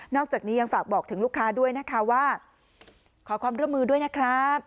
อกจากนี้ยังฝากบอกถึงลูกค้าด้วยนะคะว่าขอความร่วมมือด้วยนะครับ